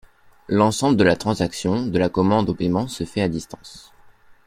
L'ensemble de la transaction, de la commande au paiement se fait à distance.